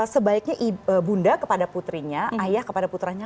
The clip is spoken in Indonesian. sebaiknya bunda kepada putrinya ayah kepada putranya